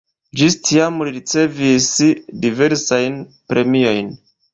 Ĝis tiam li ricevis diversajn premiojn.